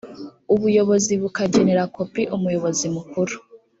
ubuyobozi bukagenera kopi umuyobozi mukuru